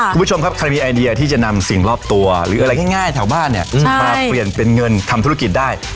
คุณผู้ชมครับใครมีไอเดียที่จะนำสิ่งรอบตัวหรืออะไรง่ายแถวบ้านเนี่ยมาเปลี่ยนเป็นเงินทำธุรกิจได้